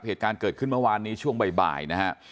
เหตุการณ์เกิดขึ้นเมื่อวานนี้ช่วงบ่ายนะฮะ